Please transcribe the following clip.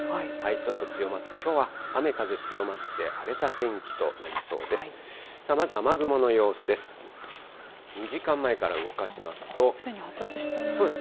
ちょっと強まって、きょうは雨風強まって荒れた天気となりそうです。